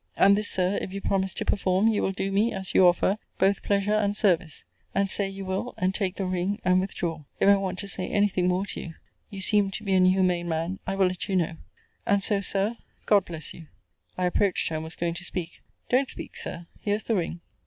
And this, Sir, if you promise to perform, you will do me, as you offer, both pleasure and service: and say you will, and take the ring and withdraw. If I want to say any thing more to you (you seem to be an humane man) I will let you know and so, Sir, God bless you! I approached her, and was going to speak Don't speak, Sir: here's the ring.